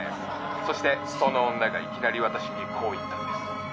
そしてその女がいきなり私にこう言ったんです。